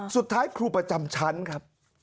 สุดท้ายครูประจำชั้นครับ